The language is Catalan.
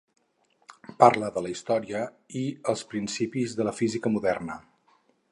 Parla de la història i els principis de la física moderna.